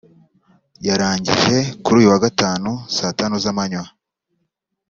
yarangije kuri uyu wa Gatanu saa tanu z’amanywa